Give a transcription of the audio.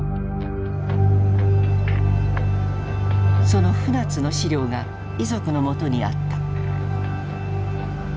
その船津の資料が遺族のもとにあった。